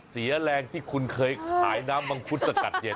เสียแรงที่คุณเคยขายน้ำมังคุดสกัดเย็น